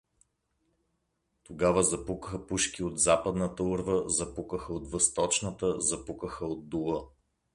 Тогава запукаха пушки от западната урва, запукаха от възточната, запукаха от дола.